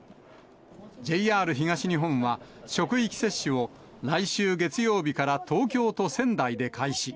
ＪＲ東日本は、職域接種を来週月曜日から東京と仙台で開始。